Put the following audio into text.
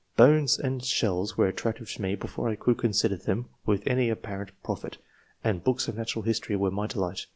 Bones and shells were attractive to me before I could consider them with any apparent profit, and books of natural history were my delight.